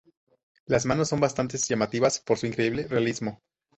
Las manos son bastantes llamativas por su increíble realismo.